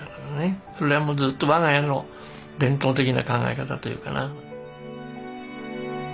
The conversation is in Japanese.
それはもうずっと我が家の伝統的な考え方というかな。